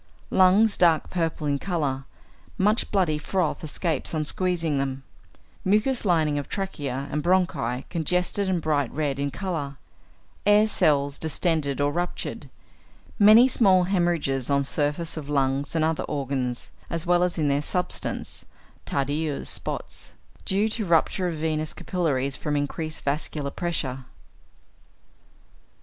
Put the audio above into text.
Lungs dark purple in colour; much bloody froth escapes on squeezing them; mucous lining of trachea and bronchi congested and bright red in colour; air cells distended or ruptured; many small hæmorrhages on surface of lungs and other organs, as well as in their substance (Tardieu's spots), due to rupture of venous capillaries from increased vascular pressure.